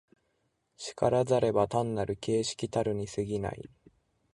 然らざれば単なる形式たるに過ぎない。